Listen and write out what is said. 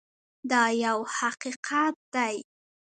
دا یو حقیقت دی.